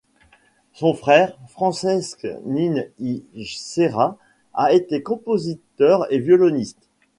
Son frère, Francesc Nin i Serra, a été compositeur et violoniste.